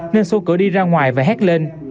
nên xô cửa đi ra ngoài và hét lên